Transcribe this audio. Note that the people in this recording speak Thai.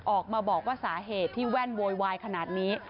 ออกมาบอกว่าสาเหตุที่แว่นโวยวายขนาดนี้